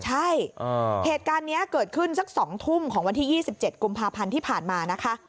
ใช่เหตุการณ์นี้เกิดขึ้นสัก๒ทุ่มของวันที่๒๗กุมภาพันธ์ที่ผ่านมานะคะ